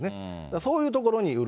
そういうところに売る。